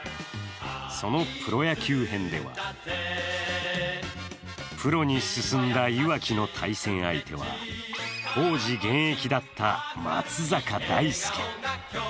そのプロ野球編では、プロに進んだ岩鬼の対戦相手は当時現役だった松坂大輔。